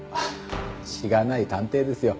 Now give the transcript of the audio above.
しがない探偵ですよ。